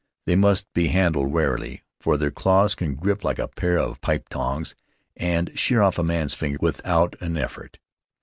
They must be handled warily, for their claws can grip like a pair of pipe tongs and shear off a man's finger without an effort.